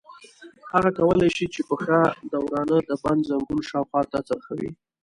هغه کولای شي چې پښه د ورانه د بند زنګون شاوخوا ته څرخوي.